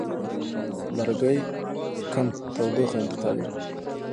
لرګي کم تودوخه انتقالوي.